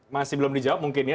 masih belum dijawab mungkin ya